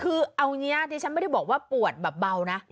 คือเอานี้นี่มันไม่ได้บอกว่าปวดเบา